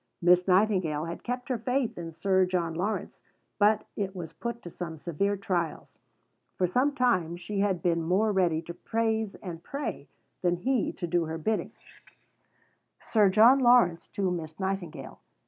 Miss Nightingale had kept her faith in Sir John Lawrence, but it was put to some severe trials. For some time she had been more ready to praise and pray than he to do her bidding: (_Sir John Lawrence to Miss Nightingale.